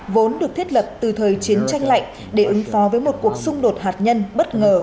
vốn được thiết lập từ thời chiến tranh lạnh để ứng phó với một cuộc xung đột hạt nhân bất ngờ